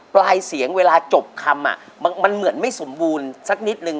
ปลายเสียงเวลาจบคำมันเหมือนไม่สมบูรณ์สักนิดนึง